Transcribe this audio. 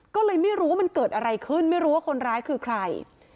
ก็เลยไม่รู้ว่ามันเกิดอะไรขึ้นไม่รู้ว่าคนร้ายคือใคร